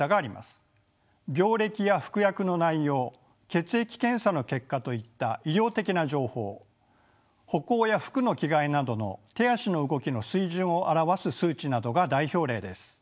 血液検査の結果といった医療的な情報歩行や服の着替えなどの手足の動きの水準を表す数値などが代表例です。